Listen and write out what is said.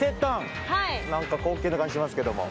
何か高級な感じしますけども。